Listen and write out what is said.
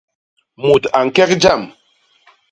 Mut a ñkek jam.